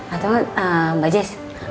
atau mbak jes